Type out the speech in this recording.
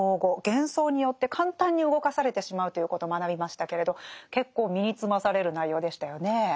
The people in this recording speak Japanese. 幻想によって簡単に動かされてしまうということを学びましたけれど結構身につまされる内容でしたよね。